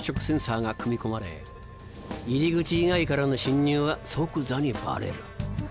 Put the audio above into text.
センサーが組み込まれ入り口以外からの侵入は即座にバレる。